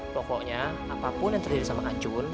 pokoknya apapun yang terjadi sama acun